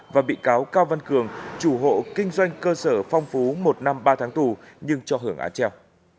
và bị cáo cao văn cường chủ hộ kinh doanh cơ sở phong phú một năm ba tháng tù nhưng cho hưởng án treo